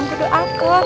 emang kudu aku